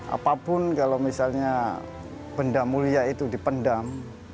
apapun kalau misalnya benda mulia itu dipendam